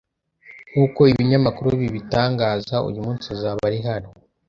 Nk’uko ibinyamakuru bibitangaza, uyu munsi azaba ari hano.